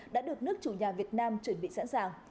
đã được nước chủ nhà việt nam chuẩn bị sẵn sàng